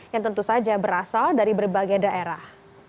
yang tentu saja berasal dari berbagai daerah